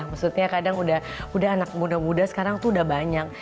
maksudnya kadang udah anak muda muda sekarang tuh udah banyak